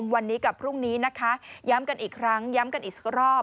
วันนี้กับพรุ่งนี้นะคะย้ำกันอีกครั้งย้ำกันอีกสักรอบ